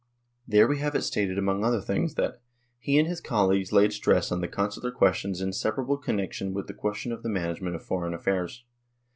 There we have it stated among other things that " he and his colleagues laid stress on the Con sular question's inseparable connection with the ques tion of the management of Foreign affairs.